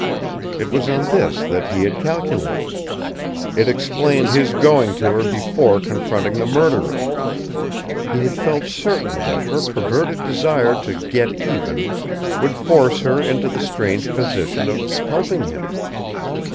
It was on this that he had calculated. It explained his going to her before confronting the murderer. He had felt certain that her perverted desire to "get even" would force her into the strange position of helping him.